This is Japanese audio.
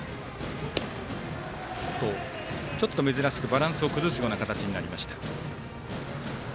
ちょっと珍しくバランスを崩す形になりました。